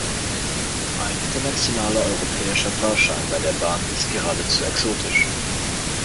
Ein internationaler europäischer Fahrschein bei der Bahn ist geradezu exotisch.